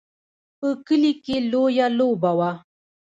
په کلي کې لویه لوبه وه.